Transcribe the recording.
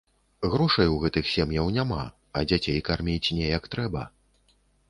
Грошай у гэтых сем'яў няма, а дзяцей карміць неяк трэба.